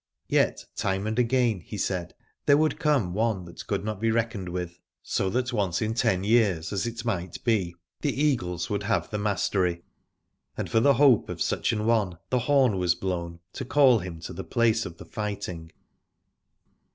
Yet, time and again, he said, there would come one that could not be reckoned with ; so that once in ten years, as it might be, the 86 Aladore Eagles would have the mastery; and for the hope of such an one the horn was blown, to call him to the place of the fighting.